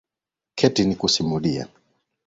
keti nikusimulie.